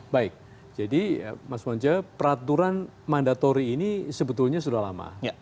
baik jadi mas wanja peraturan mandatori ini sebetulnya sudah lama